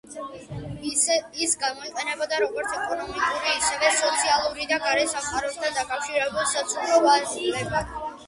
ის გამოიყენებოდა როგორც ეკონომიკური, ისევე სოციალური და გარე სამყაროსთან დამაკავშირებელ საშუალებად.